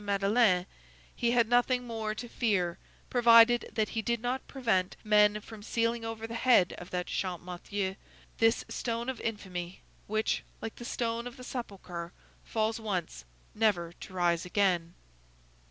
Madeleine, he had nothing more to fear, provided that he did not prevent men from sealing over the head of that Champmathieu this stone of infamy which, like the stone of the sepulchre, falls once, never to rise again."